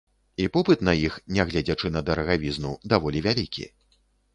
І попыт на іх, нягледзячы на дарагавізну, даволі вялікі.